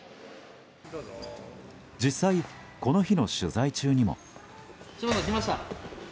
実際、この日の取材中にも。